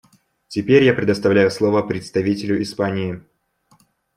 Теперь я предоставляю слово представителю Испании.